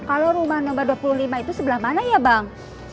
kalau rumah nomor dua puluh lima itu sebelah mana ya bang